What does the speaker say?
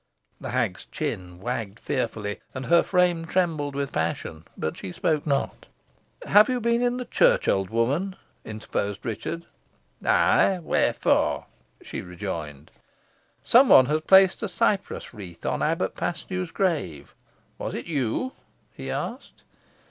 The hag's chin wagged fearfully, and her frame trembled with passion, but she spoke not. "Have you been in the church, old woman?" interposed Richard. "Ay, wherefore?" she rejoined. "Some one has placed a cypress wreath on Abbot Paslew's grave. Was it you?" he asked.